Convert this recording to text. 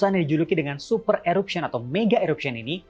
letusan yang dijuluki dengan super eruption atau mega eruption ini